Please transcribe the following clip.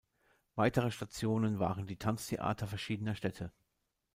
Weitere Stationen waren die Tanztheater verschiedener Städte.